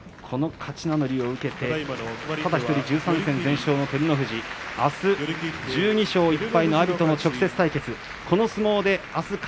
勝ち名乗りを受けてただ１人、１３戦全勝の照ノ富士あす１２勝１敗の阿炎との直接対決です。